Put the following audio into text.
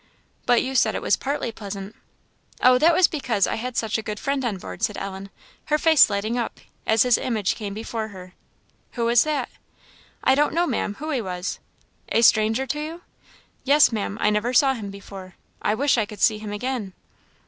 "But you said it was partly pleasant?" "Oh, that was because I had such a good friend on board," said Ellen, her face lighting up, as his image came before her. "Who was that?" "I don't know, Ma'am, who he was." "A stranger to you?" "Yes, Ma'am I never saw him before I wish I could see him again."